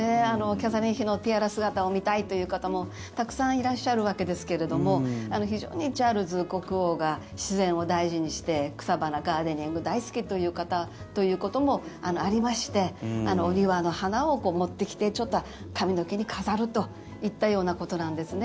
キャサリン妃のティアラ姿を見たいという方もたくさんいらっしゃるわけですけれども非常にチャールズ国王が自然を大事にして草花、ガーデニング大好きという方ということもありましてお庭の花を持ってきてちょっと髪の毛に飾るといったようなことですね。